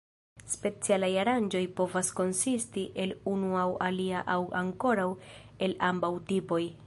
Specialaj aranĝoj povas konsisti el unu aŭ alia aŭ ankoraŭ el ambaŭ tipoj.